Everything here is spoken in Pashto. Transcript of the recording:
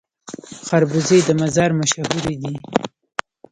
خربوزې د مزار مشهورې دي